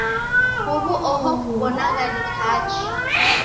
Huw'u oho kuw'onagha ni hachi?